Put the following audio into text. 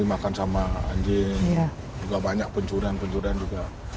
makan sama anjing juga banyak pencurian pencurian juga